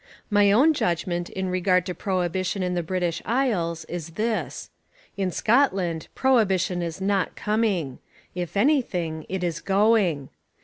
My own judgment in regard to prohibition in the British Isles is this: In Scotland, prohibition is not coming: if anything, it is going.